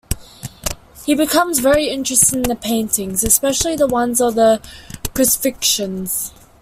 He becomes very interested in the paintings, especially the ones of the crucifixions.